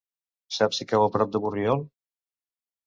Saps si cau a prop de Borriol?